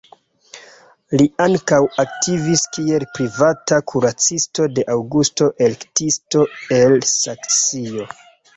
Li ankaŭ aktivis kiel privata kuracisto de Aŭgusto, elektisto el Saksio.